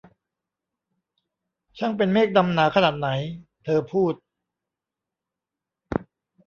ช่างเป็นเมฆดำหนาขนาดไหน ! ' เธอพูด